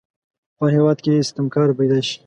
په هر هیواد کې ستمکاره پیداشي.